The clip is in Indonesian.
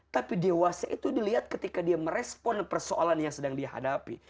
tapi dewasa itu dilihat ketika dia merespon persoalan yang sedang dihadapi